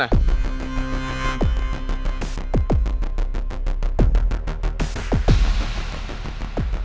sampai banyak uang